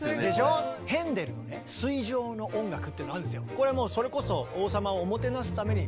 これはもうそれこそおぉ！